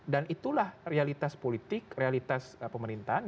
dan itulah realitas politik realitas pemerintahan